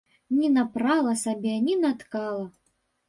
Не напрала сабе, не наткала.